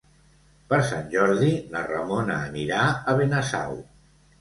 Per Sant Jordi na Ramona anirà a Benasau.